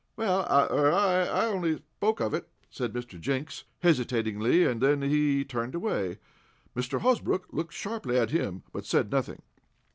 "Well, I er I only spoke of it," said Mr. Jenks, hesitatingly, and then he turned away. Mr. Hosbrook looked sharply at him, but said nothing.